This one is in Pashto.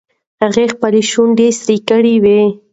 هغې خپلې شونډې سرې کړې وې.